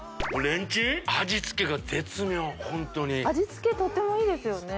味つけが絶妙ホントに・味つけとってもいいですよね